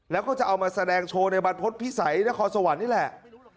แล้วก็จะเอามาแสดงโชว์ในบรรพฤษภิษัยนครสวรรค์นี่แหละ